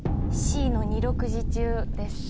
Ｃの「二六時中」です。